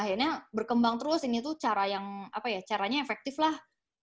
akhirnya berkembang terus ini tuh cara yang apa ya caranya efektif lah